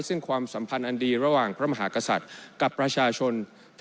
ซึ่งความสัมพันธ์อันดีระหว่างพระมหากษัตริย์กับประชาชน